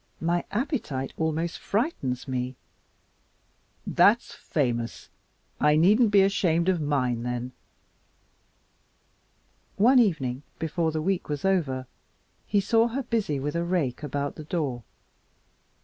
My appetite almost frightens me." "That's famous! I needn't be ashamed of mine, then." One evening, before the week was over, he saw her busy with a rake about the door.